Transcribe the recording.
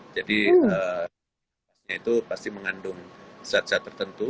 jadi itu pasti mengandung zat zat tertentu